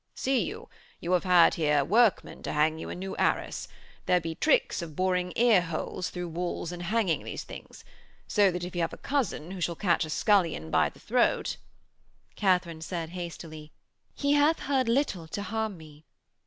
'See you, you have had here workmen to hang you a new arras. There be tricks of boring ear holes through walls in hanging these things. So that if you have a cousin who shall catch a scullion by the throat....' Katharine said hastily: 'He hath heard little to harm me.'